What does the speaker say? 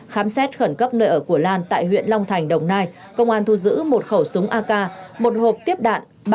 khám xét khẩn cấp nơi ở của lan tại huyện long thành đồng nai công an thu giữ một khẩu súng ak một hộp tiếp đạn